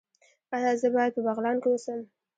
ایا زه باید په بغلان کې اوسم؟